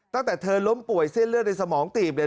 ตั้งแต่เธอล้มป่วยเส้นเลือดในสมองตีบเนี่ย